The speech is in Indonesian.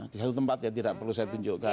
di satu tempat ya tidak perlu saya tunjukkan